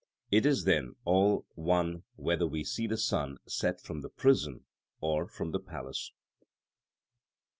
It is then all one whether we see the sun set from the prison or from the palace.